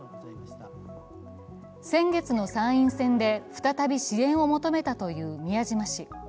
先月の参院選で再び支援を求めたという宮島氏。